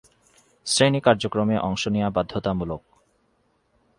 শ্রেনী কার্যক্রমে অংশ নেয়া বাধ্যতামূলক।